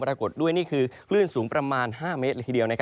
ประกฏด้วยครู่คลื่นสูงประมาณ